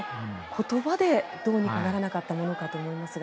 言葉でどうにかならなかったものかと思いますが。